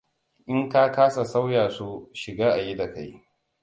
In ka kasa sauya su, shiga ayi da kai.